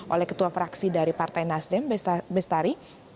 oleh ketua fraksi dari partai nasdem bestari